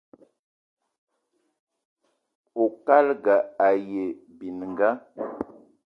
Oukalga aye bininga